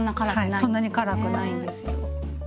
はいそんなに辛くないんですよ。